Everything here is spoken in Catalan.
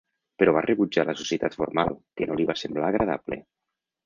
Però va rebutjar la societat formal, que no li va semblar agradable.